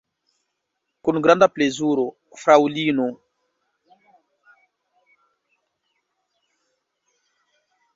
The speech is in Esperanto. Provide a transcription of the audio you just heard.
Kun granda plezuro, fraŭlino!